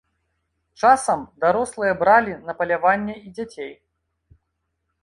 Часам дарослыя бралі на паляванне і дзяцей.